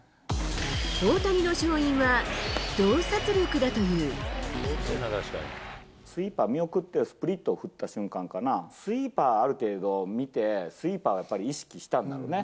大谷の勝因は、洞察力だといスイーパー見送って、スプリットを振った瞬間かな、スイーパーある程度、見て、スイーパーをやっぱり意識したんだろうね。